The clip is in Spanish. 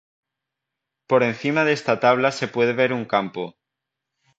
Por encima de esta tabla se puede ver un campo